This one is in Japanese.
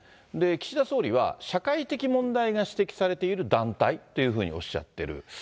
岸田総理は、社会的問題が指摘されている団体っていうふうにおっしゃってる。